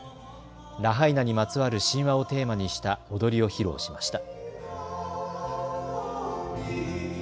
ラハイナにまつわる神話をテーマにした踊りを披露しました。